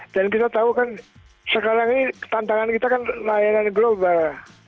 dan kita tahu kan sekarang ini tantangan kita kan layanan global